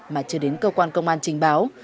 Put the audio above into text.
mà chưa đến cơ quan công an trình báo